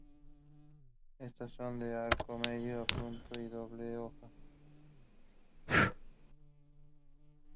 Estas son de arco de medio punto y de doble hoja.